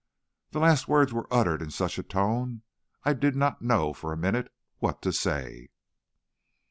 The last words were uttered in such a tone I did not know for a minute what to say.